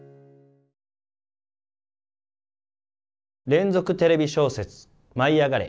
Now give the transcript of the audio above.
連続テレビ小説「舞いあがれ！」